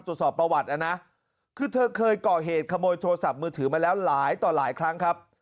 ตรวจสอบประวัตินะคือเธอเคยก่อเหตุขโมยโทรศัพท์มือถือมาแล้วหลายต่อหลายครั้งครับ